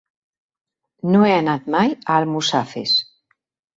No he anat mai a Almussafes.